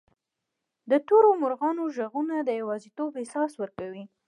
د تورو مرغانو ږغونه د یوازیتوب احساس ورکوي.